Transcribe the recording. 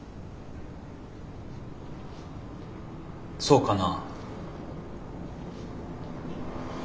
そうかな。